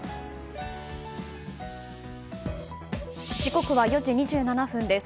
時刻は４時２７分です。